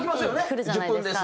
くるじゃないですか。